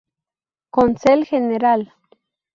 Consell General".